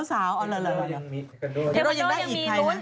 แทคอนโดยังมีแทคอนโดยังได้อีกใครนะ